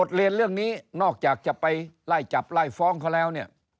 ทุกวันนี้นอกจากจะไปไล่จับไล่ฟ้องเขาแล้วเนี่ย